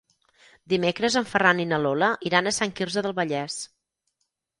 Dimecres en Ferran i na Lola iran a Sant Quirze del Vallès.